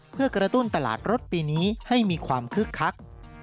เพื่อกระตุ้นตลาดรถปีนี้ให้มีความคึกคัก